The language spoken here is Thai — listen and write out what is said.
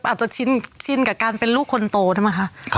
อาจจะชินกับการเป็นลูกคนโตได้ไหมคะ